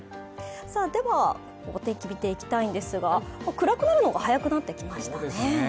では、お天気を見ていきたいんですが、暗くなるのが早くなってきましたね。